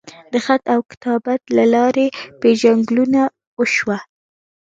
د خط وکتابت لۀ لارې پېژنګلو اوشوه